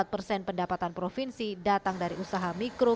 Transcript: empat persen pendapatan provinsi datang dari usaha mikro